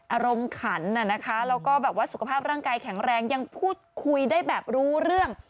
อารมณ์ขันแล้วก็สุขภาพร่างกายแข็งแรงยังพูดคุยได้แบบรู้เรื่อง